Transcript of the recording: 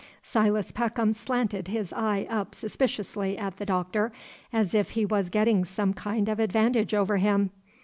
Silas Peckham slanted his eye up suspiciously at the Doctor, as if he was getting some kind of advantage over him.